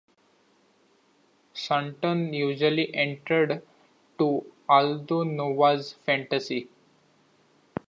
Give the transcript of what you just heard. Stanton usually entered to Aldo Nova's "Fantasy".